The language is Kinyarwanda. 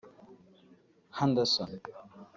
Henderson